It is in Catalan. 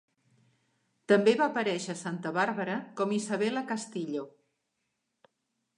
També va aparèixer a "Santa Barbara" com Isabella Castillo.